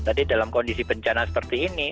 tadi dalam kondisi bencana seperti ini